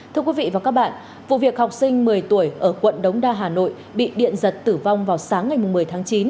thưa quý vị và các bạn vụ việc học sinh một mươi tuổi ở quận đống đa hà nội bị điện giật tử vong vào sáng ngày một mươi tháng chín